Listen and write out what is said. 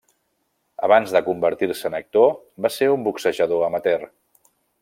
Abans de convertir-se en actor, va ser un boxejador amateur.